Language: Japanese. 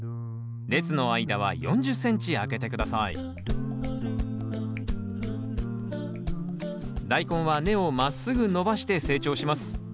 列の間は４０ｃｍ空けて下さいダイコンは根をまっすぐ伸ばして成長します。